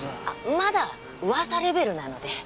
まだ噂レベルなので。